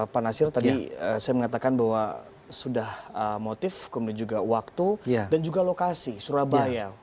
pak nasir tadi saya mengatakan bahwa sudah motif kemudian juga waktu dan juga lokasi surabaya